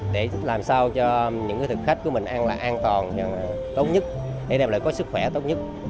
để làm sao cho những thực khách của mình ăn là an toàn và tốt nhất để đem lại có sức khỏe tốt nhất